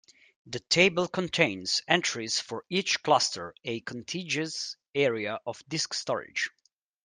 The table contains entries for each "cluster", a contiguous area of disk storage.